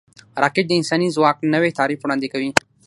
راکټ د انساني ځواک نوی تعریف وړاندې کوي